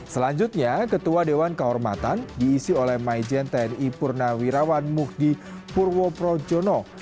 selanjutnya ketua dewan kehormatan diisi oleh maijen tni purnawirawan muhdi purwoprojono